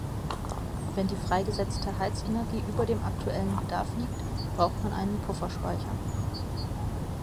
Wenn die freigesetzte Heizenergie über dem aktuellen Bedarf liegt, braucht man einen Pufferspeicher.